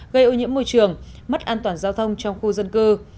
gây ô nhiễm môi trường mất an toàn giao thông trong khu dân cư